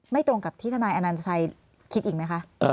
ตรงกับที่ทนายอนัญชัยคิดอีกไหมคะ